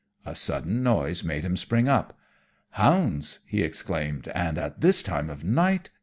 A sudden noise made him spring up. "Hounds!" he exclaimed. "And at this time of night!